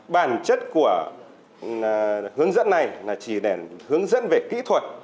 bản chất của hướng dẫn này là chỉ để hướng dẫn về kỹ thuật